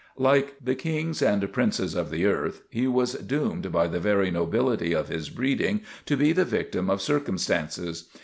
Like the kings and princes of the earth he was doomed by the very nobility of his breeding to be the victim of circumstances.